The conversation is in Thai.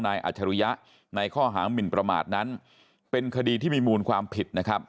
อัจฉริยะในข้อหามินประมาทนั้นเป็นคดีที่มีมูลความผิดนะครับ